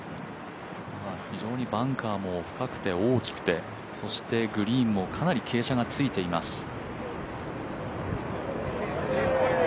非常にバンカーも深くて大きくそしてグリーンもかなり傾斜がついています。